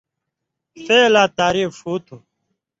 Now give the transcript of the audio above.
فعلاں تعریف ݜُو تُھو؟